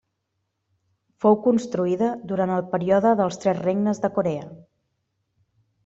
Fou construïda durant el període dels Tres Regnes de Corea.